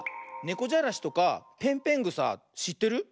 ねこじゃらしとかぺんぺんぐさしってる？